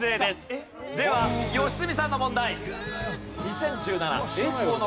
では良純さんの問題。